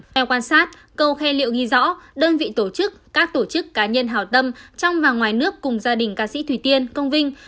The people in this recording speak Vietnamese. theo quan sát câu khe liệu ghi rõ đơn vị tổ chức các tổ chức cá nhân hảo tâm trong và ngoài nước cùng gia đình ca sĩ thủy tiên công vinh